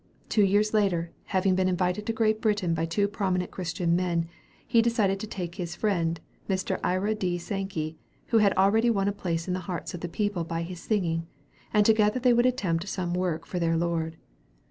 Two years later, having been invited to Great Britain by two prominent Christian men, he decided to take his friend, Mr. Ira D. Sankey, who had already won a place in the hearts of the people by his singing, and together they would attempt some work for their Lord.